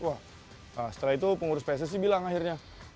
wah setelah itu pengurus pssi bilang akhirnya